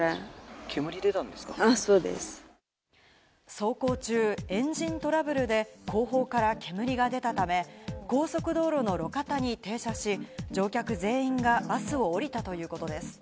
走行中、エンジントラブルで後方から煙が出たため、高速道路の路肩に停車し、乗客全員がバスを降りたということです。